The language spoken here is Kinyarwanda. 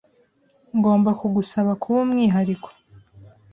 Ngomba kugusaba kuba umwihariko.